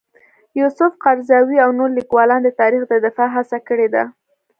یوسف قرضاوي او نور لیکوالان د تاریخ د دفاع هڅه کړې ده.